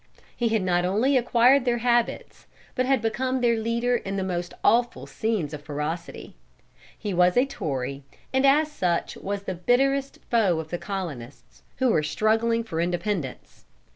He had not only acquired their habits, but had become their leader in the most awful scenes of ferocity. He was a tory, and as such was the bitterest foe of the colonists, who were struggling for independence.